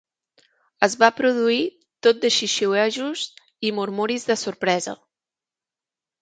Es va produir tot de xiuxiuejos i murmuris de sorpresa.